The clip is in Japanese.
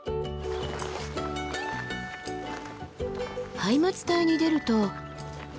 ハイマツ帯に出ると。